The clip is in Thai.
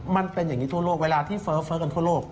มันเป็นอย่างนี้ทั่วโลกเวลาที่เฟ้อกันทั่วโลก